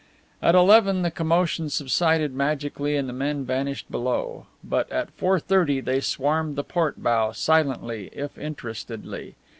At eleven the commotion subsided magically and the men vanished below, but at four thirty they swarmed the port bow, silently if interestedly.